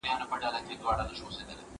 څنګه سفیران د اړیکو د ښه والي هڅه کوي؟